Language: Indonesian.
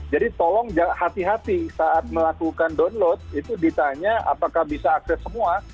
jadi tolong hati hati saat melakukan download itu ditanya apakah bisa akses semua